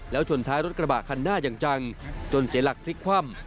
แล้วชนท้ายรถกระบะคันหน้าอย่างจังจนเสียหลักพลิกคว่ำ